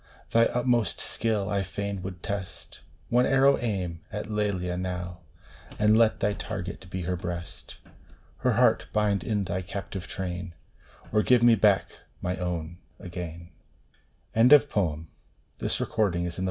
Thy utmost skill I fain would test ; One arrow aim at Lelia now, And let thy target be her breast ! Her heart bind in thy captive train, Or give me back my own again 1 THE DREAM OF LOVE.